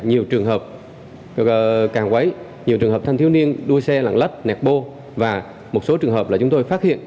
nhiều trường hợp càng quấy nhiều trường hợp than thiếu niên đuôi xe lặng lắt nẹt bô và một số trường hợp là chúng tôi phát hiện